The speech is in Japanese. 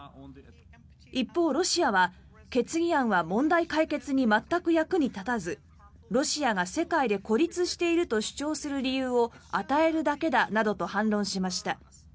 一方、ロシアは、決議案は問題解決に全く役に立たずロシアが世界で孤立していると主張する理由を与えるだけだなどと反論しました。